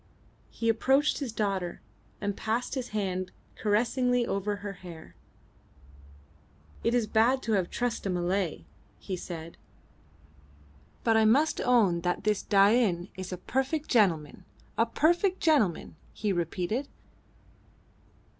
He approached his daughter and passed his hand caressingly over her hair. "It is bad to have to trust a Malay," he said, "but I must own that this Dain is a perfect gentleman a perfect gentleman," he repeated.